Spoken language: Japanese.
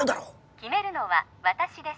決めるのは私です